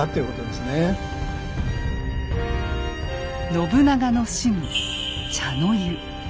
信長の趣味「茶の湯」。